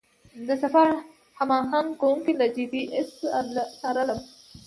د سفر هماهنګ کوونکي لکه جي پي اس څارلم.